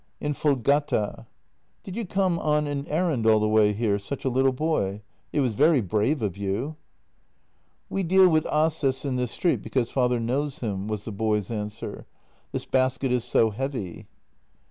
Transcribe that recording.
"" In Voldgata." " Did you come on an errand all the way here, such a little boy ?— it was very brave of you." "We deal with Aases in this street because father knows him," was the boy's answer. " This basket is so heavy."